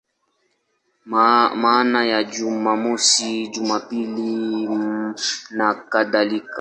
Maana ya Jumamosi, Jumapili nakadhalika.